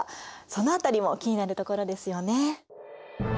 その辺りも気になるところですよね。